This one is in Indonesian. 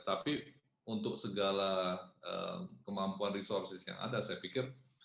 tapi untuk segala kemampuan resources yang ada saya pikir